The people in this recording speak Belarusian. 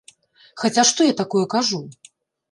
Хаця што я такое кажу?